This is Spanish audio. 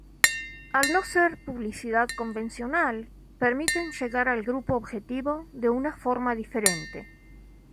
Al no ser publicidad convencional permiten llegar al grupo objetivo de una forma diferente.